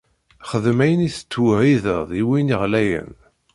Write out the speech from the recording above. Xdem ayen i tettweɛɛideḍ i win εlayen.